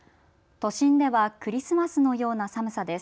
都心ではクリスマスのような寒さです。